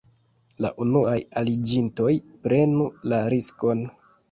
La unuaj aliĝintoj prenu la riskon...